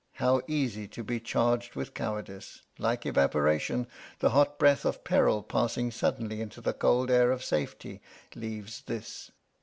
How easy to be charged with cowardice! Like evaporation, the hot breath of peril passing suddenly into the cold air of safety leaves this!"